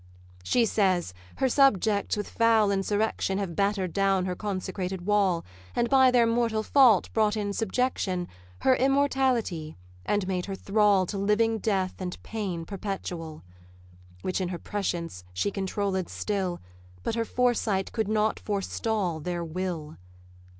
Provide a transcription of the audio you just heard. She says, her subjects with foul insurrection Have batter'd down her consecrated wall, And by their mortal fault brought in subjection Her immortality, and made her thrall To living death and pain perpetual: Which in her prescience she controlled still, But her foresight could not forestall their will.